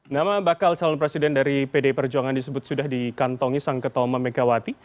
nama bakal calon presiden dari pdi perjuangan disebut sudah dikantongi sang ketua memegawati